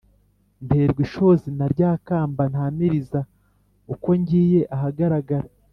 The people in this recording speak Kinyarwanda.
nterwa ishozi na rya kamba ntamiriza uko ngiye ahagaragara,